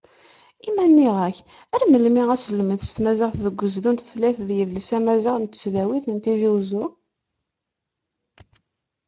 I ma nniɣ-k ar melmi aselmeds tmaziɣt deg ugezdu n tutlayt d yidles amaziɣ n tesdawit n Tizi Uzzu?